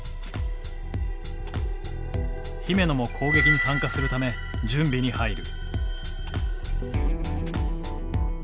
姫野も攻撃に参加するため準備に入る。